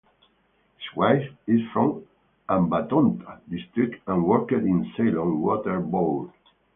His wife is from Hambantota district and worked in Ceylon Water Board.